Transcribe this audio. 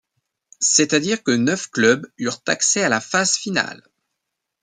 C'est-à-dire que neuf clubs eurent accès à la phase finale.